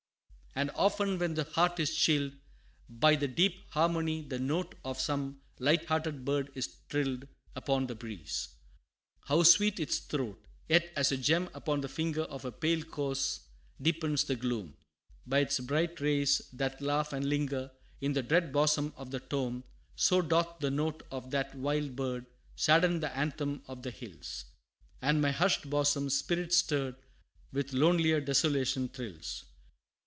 And often when the heart is chilled By the deep harmony, the note Of some light hearted bird is trilled Upon the breeze. How sweet its throat! Yet, as a gem upon the finger Of a pale corse, deepens the gloom, By its bright rays that laugh and linger In the dread bosom of the tomb; So doth the note of that wild bird, Sadden the anthem of the hills, And my hushed bosom, spirit stirred, With lonelier desolation thrills.